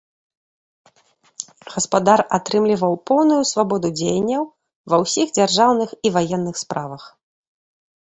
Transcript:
Гаспадар атрымліваў поўную свабоду дзеянняў ва ўсіх дзяржаўных і ваенных справах.